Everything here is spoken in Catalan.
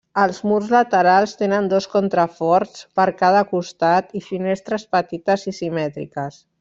Els murs laterals tenen dos contraforts per cada costat i finestres petites i simètriques.